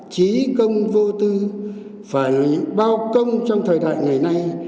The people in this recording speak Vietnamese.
trí công vô tư phải là những bao công trong thời đại ngày nay